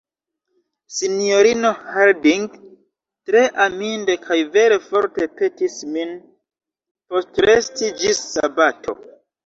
Sinjorino Harding tre aminde kaj vere forte petis min postresti ĝis sabato.